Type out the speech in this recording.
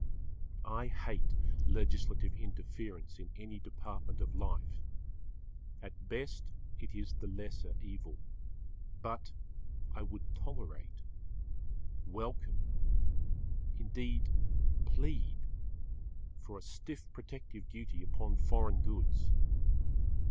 I hate legislative interference, in any department of life. At best it is the lesser evil. But I would tolerate, welcome, indeed, plead for a stiff protective duty upon foreign goods.